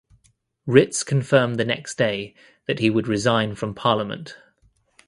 Ritz confirmed the next day that he would resign from parliament.